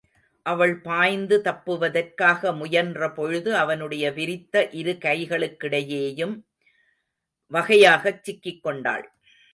அவள் பாய்ந்து தப்புவதற்காக முயன்றபொழுது அவனுடைய விரித்த இரு கைகளுக்கிடையேயும், வகையாகச் சிக்கிக்கொண்டாள்.